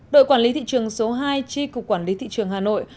đội quản lý thị trường số hai chi cục quản lý thị trường hà nội